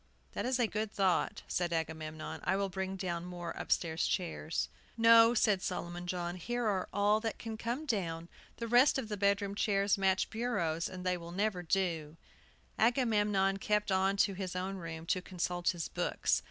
"That is a good thought," said Agamemnon. "I will bring down more upstairs chairs." "No," said Solomon John; "here are all that can come down; the rest of the bedroom chairs match bureaus, and they never will do!" Agamemnon kept on to his own room, to consult his books.